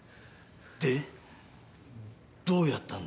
でどうやったんだ？